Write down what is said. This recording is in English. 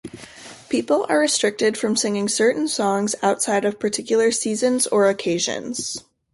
People are restricted from singing certain songs outside of particular seasons or occasions.